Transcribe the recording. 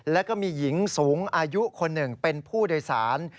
แล้วก็มีหญิงสูงอายุคนหนึ่งเป็นผู้โดยสาร